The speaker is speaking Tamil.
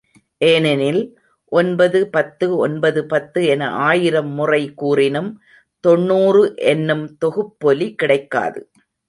ஏனெனில், ஒன்பது பத்து ஒன்பது பத்து என ஆயிரம் முறை கூறினும் தொண்ணூறு என்னும் தொகுப்பொலி கிடைக்காது.